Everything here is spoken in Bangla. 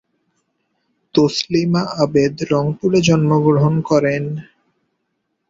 তসলিমা আবেদ রংপুরে জন্মগ্রহণ করেন।